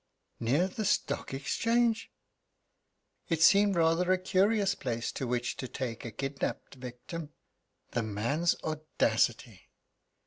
"Near the Stock Exchange?" It seemed rather a curious place to which to take a kidnapped victim. The man's audacity!